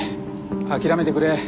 諦めてくれ。